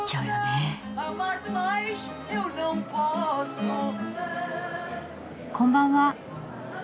こんばんは。